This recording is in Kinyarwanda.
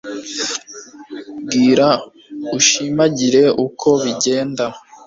Bwira ushimangire uko bigenda: